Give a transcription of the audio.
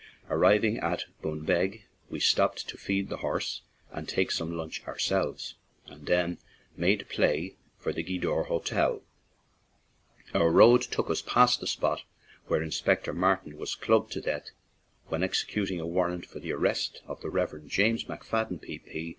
Arriving at Bunbeg, we stopped to feed the horse and take some lunch ourselves, and then "made play" for the Gweedore Hotel. Our road took us past the spot where Inspector Martin was clubbed to death when executing a warrant for the arrest of the Rev. James McFadden, P. P.